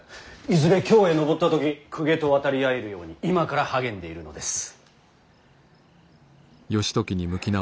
いずれ京へ上った時公家と渡り合えるように今から励んでいるのです。